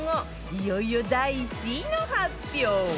いよいよ第１位の発表